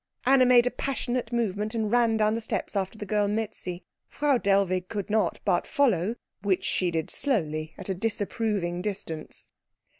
Anna made a passionate movement, and ran down the steps after the girl Mietze. Frau Dellwig could not but follow, which she did slowly, at a disapproving distance.